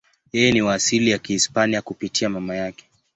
Yeye ni wa asili ya Kihispania kupitia mama yake.